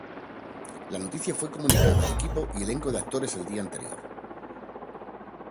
La noticia fue comunicada al equipo y elenco de actores el día anterior.